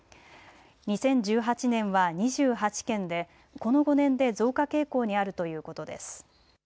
２０１８年は２８件でこの５年で増加傾向にあるということです。